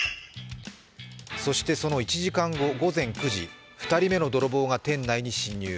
そしてその１時間後、午前９時、２人目の泥棒が店内に侵入。